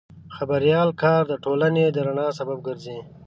د خبریال کار د ټولنې د رڼا سبب ګرځي.